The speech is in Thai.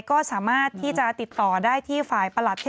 ก็สามารถที่จะติดต่อได้ที่ฝ่ายประหลัด